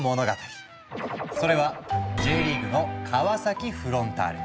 それはＪリーグの川崎フロンターレ。